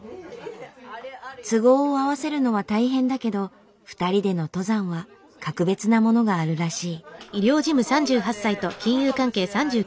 都合を合わせるのは大変だけど２人での登山は格別なものがあるらしい。